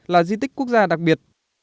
là di tích quốc gia đặc biệt